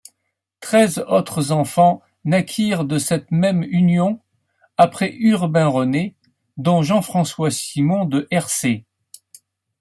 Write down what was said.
Treize autres enfants naquirent de cette même union, après Urbain-René, dont Jean-François-Simon de Hercé.